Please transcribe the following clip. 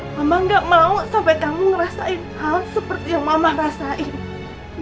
mama gak mau sampai kamu ngerasain hal seperti yang mama rasain